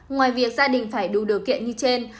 ngoài việc gia đình phải đủ điều kiện như trên